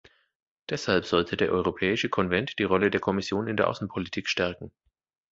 Deshalb sollte der Europäische Konvent die Rolle der Kommission in der Außenpolitik stärken.